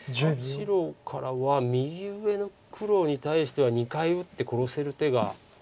白からは右上の黒に対しては２回打って殺せる手が。